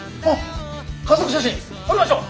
家族写真撮りましょう！